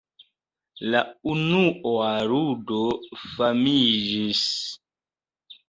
La unua ludo famiĝis.